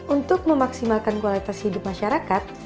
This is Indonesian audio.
untuk memaksimalkan kualitas hidup masyarakat